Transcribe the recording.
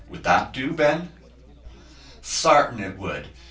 Would that do, Ben?" "Sartain it would.